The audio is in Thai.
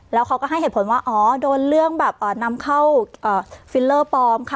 แล้วเขาก็ให้เหตุผลว่าอ๋อโดนเรื่องแบบนำเข้าฟิลเลอร์ปลอมค่ะ